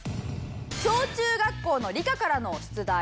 小・中学校の理科からの出題です。